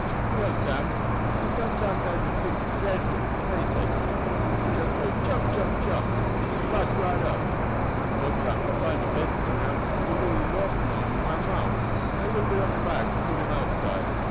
"Well, Sam, you see sometimes I'se 'flicted dre'fful wid de faceache him just go jump, jump, jump, as ef he bust right up. Mose times I find de best ting am to put a little laudabun in my mouf, and a little on bit of rag and put him outside.